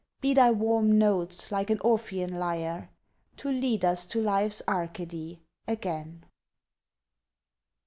Be thy warm notes like an Orphean lyre To lead us to life's Arcady again!